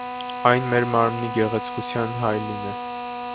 Ան մեր մարմինի գեղեցկութեան հայելին է։